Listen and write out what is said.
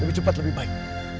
lebih cepat lebih baik